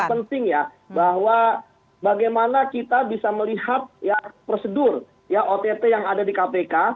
ini penting ya bahwa bagaimana kita bisa melihat prosedur ya ott yang ada di kpk